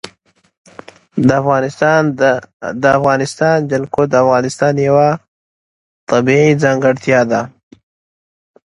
د افغانستان جلکو د افغانستان یوه طبیعي ځانګړتیا ده.